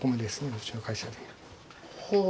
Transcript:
うちの会社で。